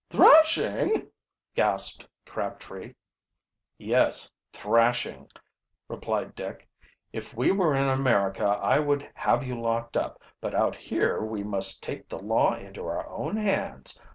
"Thrashing!" gasped Crabtree. "Yes, thrashing," replied Dick. "If we were in America I would have you locked up. But out here we must take the law into our own hands.